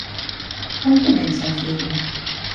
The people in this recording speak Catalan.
Com comença el film?